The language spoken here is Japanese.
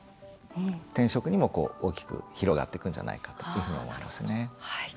転職にも大きく広がっていくんじゃないかというふうに思いますね。